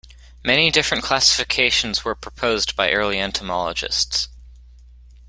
Many different classifications were proposed by early entomologists.